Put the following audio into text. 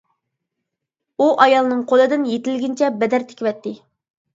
ئۇ ئايالنىڭ قولىدىن يېتىلگىنىچە بەدەر تىكىۋەتتى.